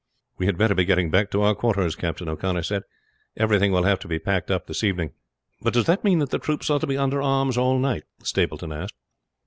"We had better be getting back to our quarters," Captain O'Connor said. "Everything will have to be packed up this evening." "But does this mean that the troops are to be under arms all night?" Stapleton asked.